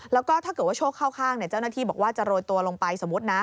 แล้วก็ถ้าเกิดว่าโชคข้างเนี่ยเจ้าหน้าที่บอกว่าจะโรยตัวลงไป